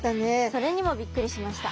それにもびっくりしました。